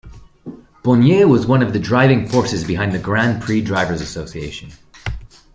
Bonnier was one of the driving forces behind the Grand Prix Drivers' Association.